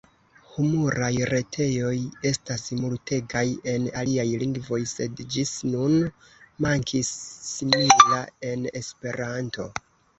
Humuraj retejoj estas multegaj en aliaj lingvoj, sed ĝis nun mankis simila en Esperanto.